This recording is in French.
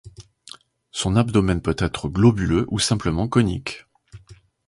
Son abdomen peut être globuleux ou simplement conique.